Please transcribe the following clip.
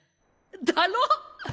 だろ？